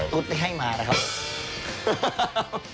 ตุ๊ดที่ให้มานะครับผม